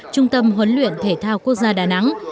trung tâm huấn luyện thể thao quốc gia đà nẵng